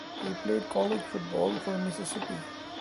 He played college football for Mississippi.